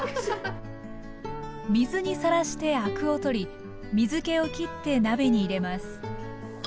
水にさらしてアクを取り水けをきって鍋に入れます